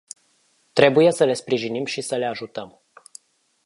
Trebuie să le sprijinim și să le ajutăm.